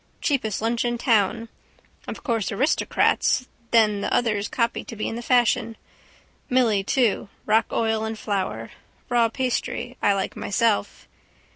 Cheapest lunch in town. Of course aristocrats, then the others copy to be in the fashion. Milly too rock oil and flour. Raw pastry I like myself.